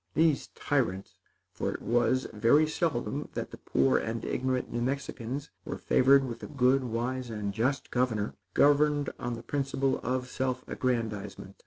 These tyrants for it was very seldom that the poor and ignorant New Mexicans were favored with a good, wise and just governor governed on the principle of self aggrandizement.